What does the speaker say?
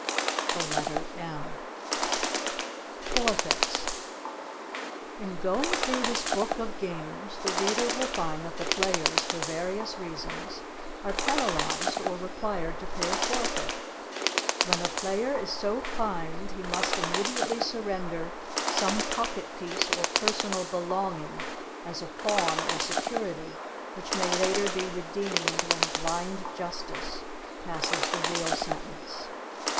The letter M. FORFEITS In going through this book of games the reader will find that the players for various reasons are penalized or required to pay a forfeit. When a player is so fined he must immediately surrender some pocketpiece or personal belonging as a pawn or security which may later be redeemed when "Blind Justice" passes the real sentence.